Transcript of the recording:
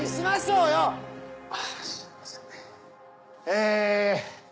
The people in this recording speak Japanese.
え。